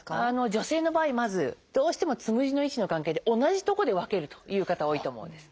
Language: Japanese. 女性の場合まずどうしてもつむじの位置の関係で同じとこで分けるという方多いと思うんです。